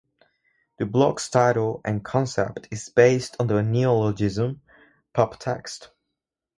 The blog's title and concept is based on the neologism "Poptext".